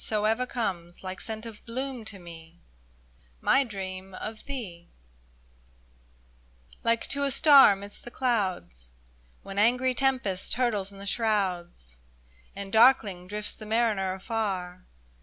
So ever comes, like scent of bloom to me, My dream of thee ! Like to a star Amidst the clouds. When angry tempest hurtles in the shrouds, And darkling drifts the mariner afar.